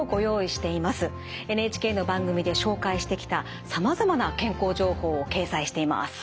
ＮＨＫの番組で紹介してきたさまざまな健康情報を掲載しています。